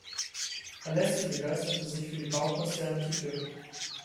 Alessi begeisterte sich für die Baukunst der Antike.